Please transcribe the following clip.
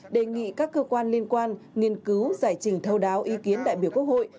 đề nghị các cơ quan liên quan nghiên cứu giải trình thâu đáo ý kiến đại biểu quốc hội